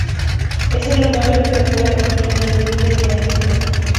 Es el lugar de descanso de la familia de los duques de Hamilton.